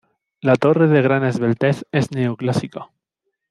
La torre de gran esbeltez es neoclásica.